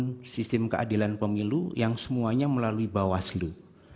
terbangun sistem keadilan pemilu yang semuanya melalui bawah selu